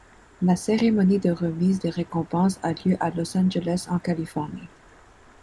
La cérémonie de remise des récompenses a lieu à Los Angeles, en Californie.